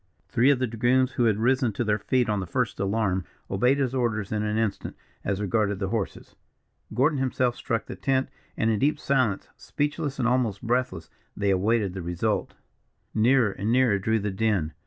Three of the dragoons, who had risen to their feet on the first alarm, obeyed his orders in an instant, as regarded the horses; Gordon himself struck the tent, and in deep silence, speechless and almost breathless, they awaited the result. Nearer and nearer drew the din.